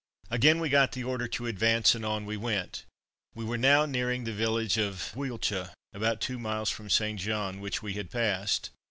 Again we got the order to advance, and on we went. We were now nearing the village of Wieltj, about two miles from St. Jean, which we had passed.